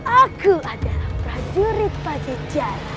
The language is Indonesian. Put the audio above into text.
aku adalah prajurit pajajara